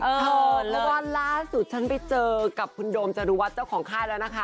เธอแล้วก็ล่าสุดฉันไปเจอกับคุณโดมจรุวัตรเจ้าของค่ายแล้วนะคะ